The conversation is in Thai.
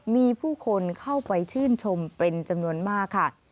มีผู้คนเข้าไปชื่นชมเป็นจำนวนมากค่ะ